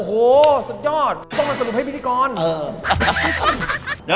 โอ้โหสุดยอดต้องมาสรุปให้พิธีกร